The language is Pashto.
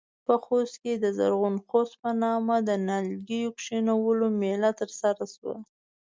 په خوست کې د زرغون خوست په نامه د نيالګيو کښېنولو مېلمه ترسره شوه.